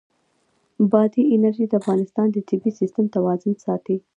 بادي انرژي د افغانستان د طبعي سیسټم توازن ساتي.